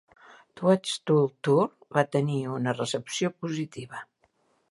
"Toadstool Tour" va tenir una recepció positiva.